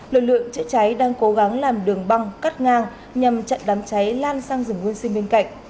lực lượng chữa cháy đang cố gắng làm đường băng cắt ngang nhằm chặn đám cháy lan sang rừng nguyên sinh bên cạnh